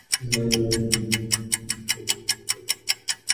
নয়নে নয়নে সঙ্গতি হওয়াতে উভয়ে চরিতার্থতা প্রাপ্ত হইলেন।